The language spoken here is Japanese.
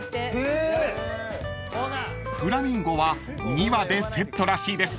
［フラミンゴは２羽でセットらしいです］